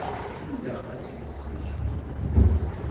Ilaq ad tt-id-tesmektim.